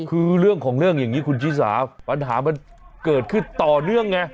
คือเรื่องของเรื่องอย่างนี้คุณชิสาปัญหามันเกิดขึ้นต่อเนื่องไง